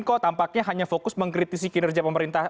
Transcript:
kok tampaknya hanya fokus mengkritisi kinerja pemerintah